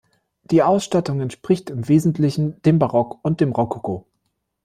Die Ausstattung entspricht im Wesentlichen dem Barock und dem Rokoko.